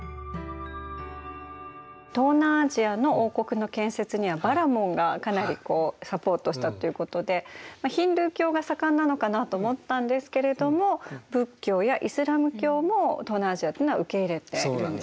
東南アジアの王国の建設にはバラモンがかなりこうサポートしたということでヒンドゥー教が盛んなのかなと思ったんですけれども仏教やイスラーム教も東南アジアというのは受け入れているんですね。